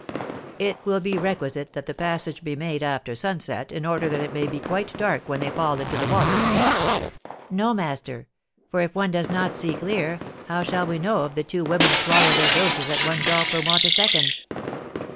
'It will be requisite that the passage be made after sunset, in order that it may be quite dark when they fall into the water.' 'No, master; for if one does not see clear, how shall we know if the two women swallow their doses at one gulp, or want a second?'